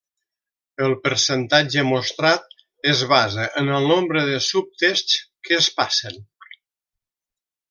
El percentatge mostrat es basa en el nombre de subtests que es passen.